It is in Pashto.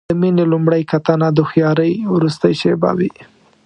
د مینې لومړۍ کتنه د هوښیارۍ وروستۍ شېبه وي.